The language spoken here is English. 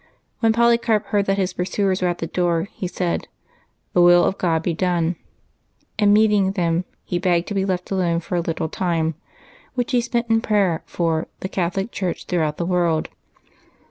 When Poly carp heard that his pursuers were at the door, he said, *^ The will of God be done ;" and meeting them, he begged to be left alone for a little time, which he spent in prayer for " the Catholic Church throughout the world."